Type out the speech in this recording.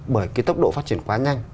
bởi cái tốc độ phát triển quá nhanh